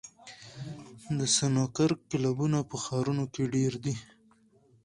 د سنوکر کلبونه په ښارونو کې ډېر دي.